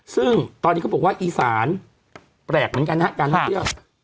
ซึ่งตอนนี้เขาบอกว่าอีสานแปลกเหมือนกันนะฮะการท่องเที่ยว